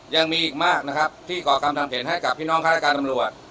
ยังมีอีกมากนะครับที่ก่อการทำแผนให้กับพี่น้องฆาตการตำรวจ